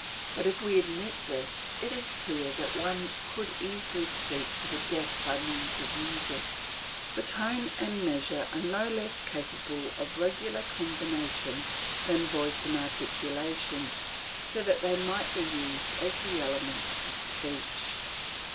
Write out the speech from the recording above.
But if we admit this, it is clear that one could easily speak to the deaf by means of music; for tone and measure are no less capable of regular combination than voice and articulation, so that they might be used as the elements of speech.